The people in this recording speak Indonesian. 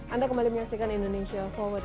anda kembali menyaksikan indonesia forward